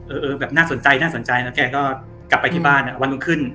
เออเออแบบน่าสนใจแกก็กลับไปที่บ้านวันต้องขึ้น